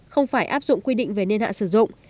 không phải áp dụng quy định về niên hạn sử dụng